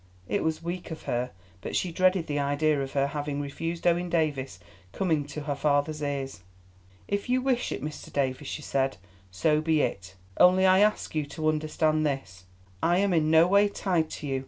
It was weak of her, but she dreaded the idea of her having refused Owen Davies coming to her father's ears. "If you wish it, Mr. Davies," she said, "so be it. Only I ask you to understand this, I am in no way tied to you.